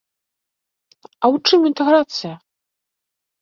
А ў чым інтэграцыя?